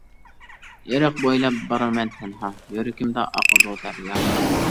ئېرىق بويلاپ بارىمەن تەنھا، يۈرىكىمدە ئاقىدۇ دەريا.